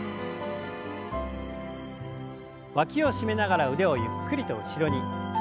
わきを締めながら腕をゆっくりと後ろに。